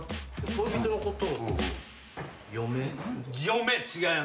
「恋人のこと